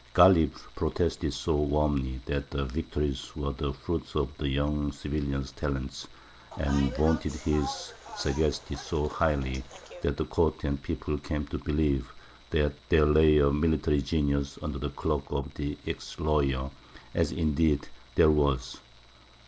Ghālib protested so warmly that the victories were the fruit of the young civilian's talents, and vaunted his sagacity so highly, that the court and people came to believe that there lay a military genius under the cloak of the ex lawyer as, indeed, there was.